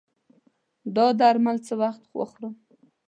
دا درمل څه وخت وخورم؟